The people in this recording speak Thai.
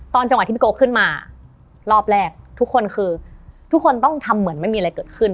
ตอนจังหวัดที่พี่โกขึ้นมาทุกคนต้องทำเหมือนว่าไม่มีอะไรเกิดขึ้น